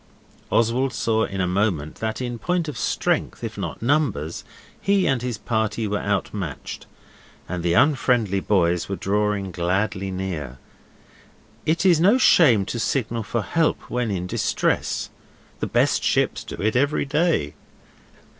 Oswald saw in a moment that in point of strength, if not numbers, he and his party were out matched, and the unfriendly boys were drawing gladly near. It is no shame to signal for help when in distress the best ships do it every day.